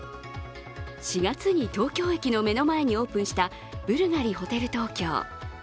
４月に東京駅の目の前にオープンしたブルガリホテル東京。